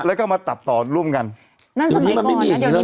แล้วก็มาตัดต่อร่วมกันนั่นสมัยก่อนนะเดี๋ยวนี้ไม่มีอย่างงั้นแล้ว